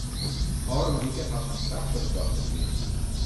Ofrûne wike hat se in prachtige dochter krigen.